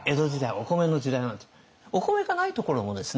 お米がないところもですね